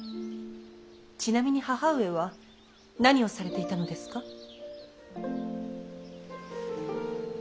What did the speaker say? ちなみに義母上は何をされていたのですか。